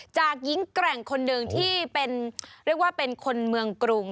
จากหญิงแกร่งคนหนึ่งที่เป็นเรียกว่าเป็นคนเมืองกรุง